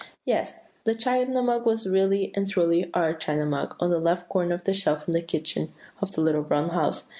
"Yes, the China Mug was really and truly our China Mug on the left corner of the shelf in the kitchen of The Little Brown House.